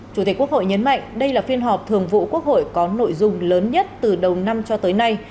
chủ tịch quốc hội nhấn mạnh đây là phiên họp thường vụ quốc hội có nội dung lớn nhất từ đầu năm cho tới nay